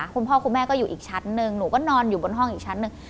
คุณพ่อคุณแม่ก็อยู่อีกชั้นหนึ่งหนูก็นอนอยู่บนห้องอีกชั้นหนึ่ง